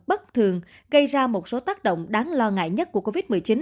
bất thường gây ra một số tác động đáng lo ngại nhất của covid một mươi chín